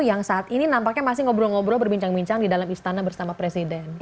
yang saat ini nampaknya masih ngobrol ngobrol berbincang bincang di dalam istana bersama presiden